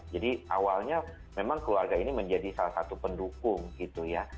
jadi awalnya memang keluarga ini menjadi salah satu pendukung gitu ya